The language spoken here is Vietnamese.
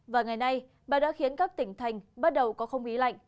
và ngày nay bão đã khiến các tỉnh thành bắt đầu có không khí lạnh